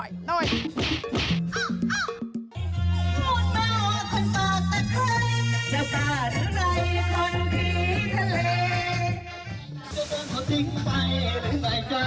เจ้าเงินเขาทิ้งไปหรือใส่เจ้า